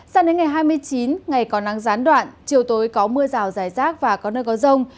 sang đến ngày hai mươi chín ngày còn nắng gián đoạn chiều tối có mưa rào rải rác và có nơi có rông